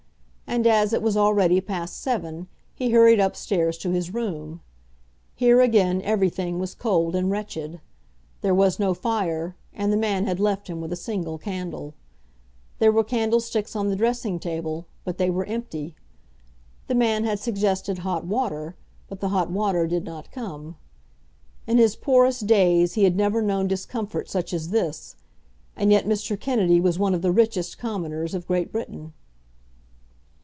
And as it was already past seven he hurried up stairs to his room. Here again everything was cold and wretched. There was no fire, and the man had left him with a single candle. There were candlesticks on the dressing table, but they were empty. The man had suggested hot water, but the hot water did not come. In his poorest days he had never known discomfort such as this, and yet Mr. Kennedy was one of the richest commoners of Great Britain.